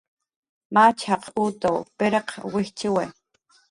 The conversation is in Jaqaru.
Machaq utw pirq wijchiwi